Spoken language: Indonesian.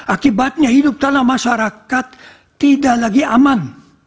akibatnya hidup dalam masyarakat tidak lagi aman